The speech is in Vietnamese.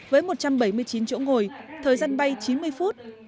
với một trăm bảy mươi chín chỗ ngồi thời gian bay chín mươi phút